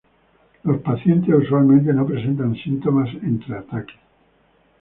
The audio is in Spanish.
Los pacientes usualmente no presentan síntomas entre ataques.